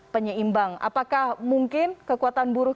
penyeimbang apakah mungkin kekuatan buruh